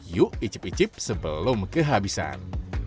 yuk icip icip sebelum kehabisan